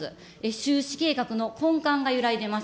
収支計画の根幹が揺らいでいます。